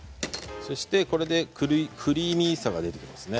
そしてこれでクリーミーさが出るんですね。